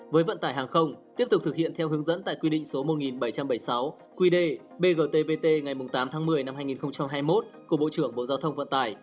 với vận tải hàng không tiếp tục thực hiện theo hướng dẫn tại quy định số một nghìn bảy trăm bảy mươi sáu qd bgtvt ngày tám tháng một mươi năm hai nghìn hai mươi một của bộ trưởng bộ giao thông vận tải